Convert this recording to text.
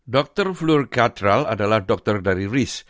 dr fleur cattrall adalah dokter dari riz